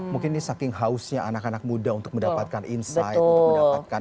mungkin ini saking hausnya anak anak muda untuk mendapatkan insight untuk mendapatkan